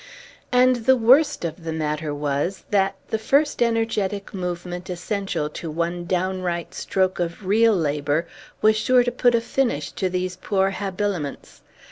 And the worst of the matter was, that the first energetic movement essential to one downright stroke of real labor was sure to put a finish to these poor habiliments.